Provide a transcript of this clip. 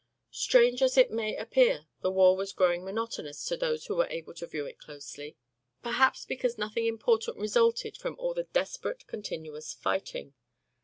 Strange as it may appear, the war was growing monotonous to those who were able to view it closely, perhaps because nothing important resulted from all the desperate, continuous fighting.